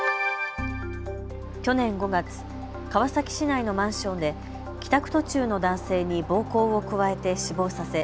去年５月、川崎市内のマンションで帰宅途中の男性に暴行を加えて死亡させ